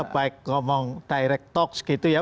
baik ngomong direct talk segitu ya